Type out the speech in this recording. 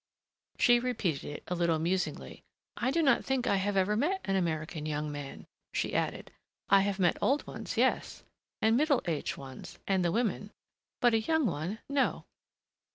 She repeated it a little musingly. "I do not think I ever met an American young man." She added, "I have met old ones yes, and middle aged ones and the women but a young one, no."